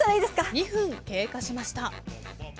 ２分経過しました。